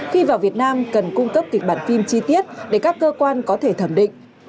khi vào việt nam cần cung cấp kịch bản phim chi tiết để các cơ quan có thể thẩm định